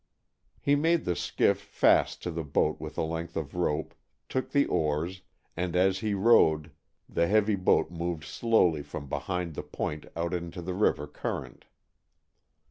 He made the skiff fast to the boat with a length of rope, took the oars, and as he rowed, the heavy boat moved slowly from behind the point out into the river current.